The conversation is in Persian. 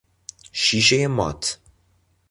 شیشهی مات